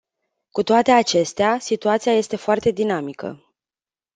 Cu toate acestea, situația este foarte dinamică.